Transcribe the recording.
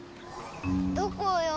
どこよ？